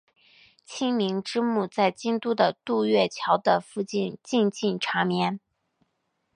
晴明之墓在京都的渡月桥的附近静静长眠。